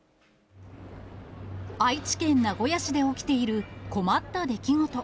愛知県名古屋市で起きている困った出来事。